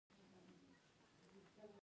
خلک وړیا کتابونه لوستلی شي.